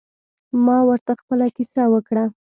ما ورته خپله کیسه وکړه.